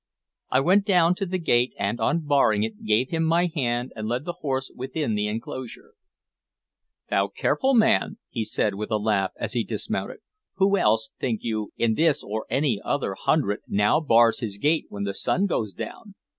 I went down to the gate, and, unbarring it, gave him my hand and led the horse within the inclosure. "Thou careful man!" he said, with a laugh, as he dismounted. "Who else, think you, in this or any other hundred, now bars his gate when the sun goes down?"